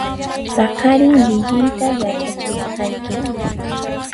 Paqarin liyiyta yachachisqayki